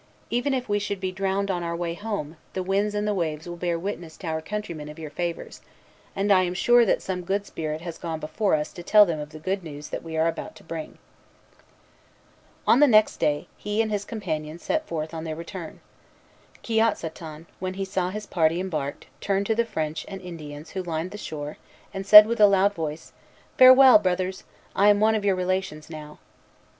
Even if we should be drowned on our way home, the winds and the waves will bear witness to our countrymen of your favors; and I am sure that some good spirit has gone before us to tell them of the good news that we are about to bring." Vimont, Relation, 1645, 28. On the next day, he and his companion set forth on their return. Kiotsaton, when he saw his party embarked, turned to the French and Indians who lined the shore, and said with a loud voice, "Farewell, brothers! I am one of your relations now."